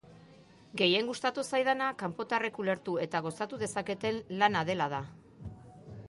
Gehien gustatu zaidana kanpotarrek ulertu eta gozatu dezaketen lana dela da.